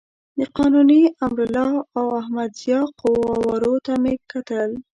د قانوني، امرالله او احمد ضیاء قوارو ته مې کتل.